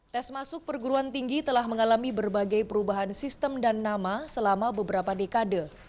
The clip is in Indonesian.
tes masuk perguruan tinggi telah mengalami berbagai perubahan sistem dan nama selama beberapa dekade